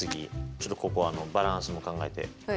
ちょっとここはバランスも考えて。